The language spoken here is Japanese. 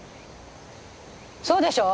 そうでしょう？